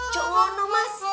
jauh jauh no mas